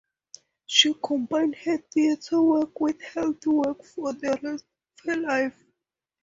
She combined her theatre work with health work for the rest of her life.